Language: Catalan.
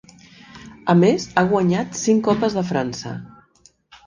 A més ha guanyat cinc Copes de França.